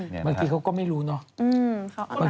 เมื่อกี้เขาก็ไม่รู้เนาะ